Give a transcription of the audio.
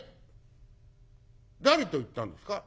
「誰と行ったんですか？」。